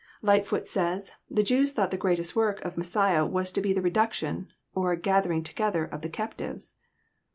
Lightfoot says, the Jews thought the greatest work of Mes siah was to be the redaction, or gathering together of the cap tivities."